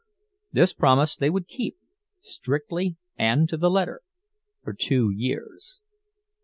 This promise they would keep, strictly and to the letter—for two years.